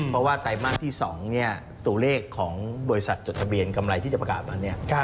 เพราะว่าไตรมาสที่๒ตัวเลขของบริษัทจดทะเบียนกำไรที่จะประกาศวันนี้